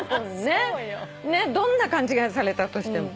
どんな勘違いされたとしても。